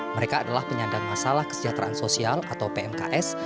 mereka adalah penyandang masalah kesejahteraan sosial atau pmks